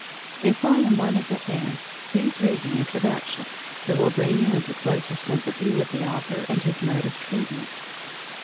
If Vol. I is at hand, please read the Introduction. It will bring you into closer sympathy with the author and his mode of treatment.